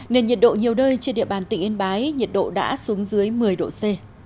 nên nhiệt độ nhiều nơi trên địa bàn tỉnh yên bái nhiệt độ đã xuống dưới một mươi độ c